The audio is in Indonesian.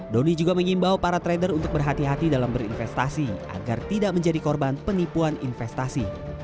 doni juga mengimbau para trader untuk berhati hati dalam berinvestasi agar tidak menjadi korban penipuan investasi